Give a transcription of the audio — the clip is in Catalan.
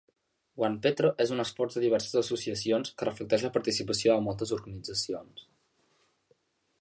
OnePetro és un esforç de diverses associacions que reflecteix la participació de moltes organitzacions.